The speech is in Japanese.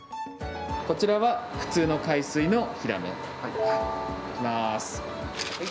こちらは普通の海水のヒラメいきます。